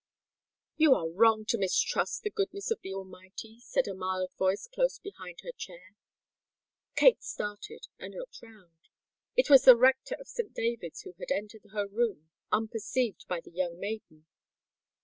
"You are wrong to mistrust the goodness of the Almighty," said a mild voice close behind her chair. Kate started, and looked round. It was the rector of St. David's who had entered he room, unperceived by the young maiden.